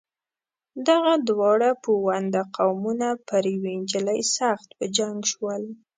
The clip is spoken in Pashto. دغه دواړه پوونده قومونه پر یوې نجلۍ سخت په جنګ شول.